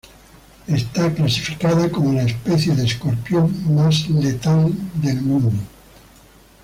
Está clasificada como la especie de escorpión más letal del mundo.